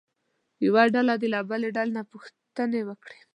یوه ډله دې له بلې نه پوښتنې وکړي.